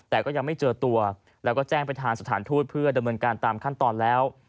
แต่ก็ยังไม่เจอตัวแล้วก็แจ้งไปทางสถานทูตเพื่อดำเนินการตามขั้นตอนแล้ว